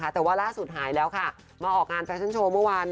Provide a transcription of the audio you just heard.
แต่ว่าล่าสุดหายแล้วค่ะมาออกงานแฟชั่นโชว์เมื่อวาน